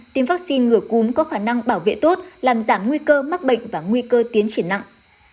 tiêm vaccine ngừa cúm có khả năng bảo vệ tốt làm giảm nguy cơ mắc bệnh và nguy cơ tiến triển nặng